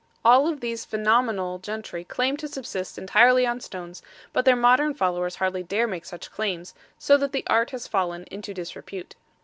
All of these phenomenal gentry claimed to subsist entirely on stones, but their modern followers hardly dare make such claims, so that the art has fallen into disrepute.